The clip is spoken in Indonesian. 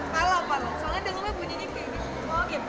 kalau polos soalnya dulu bunyinya kayak gitu